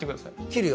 切るよ？